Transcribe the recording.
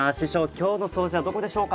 今日の掃除はどこでしょうか？